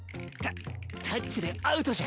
タタッチでアウトじゃ。